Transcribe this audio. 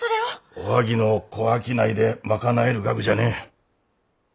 おはぎの小商いで賄える額じゃねえ。